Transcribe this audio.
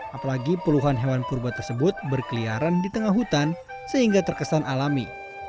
apalagi puluhan hewan purba tersebut berkeliaran di tengah hutan sehingga terkesan alami